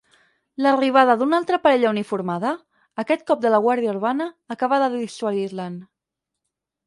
L'arribada d'una altra parella uniformada, aquest cop de la guàrdia urbana, acaba de dissuadir-le'n.